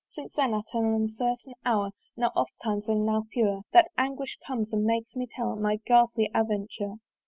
Since then at an uncertain hour, Now oftimes and now fewer, That anguish comes and makes me tell My ghastly aventure.